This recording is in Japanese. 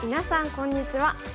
こんにちは。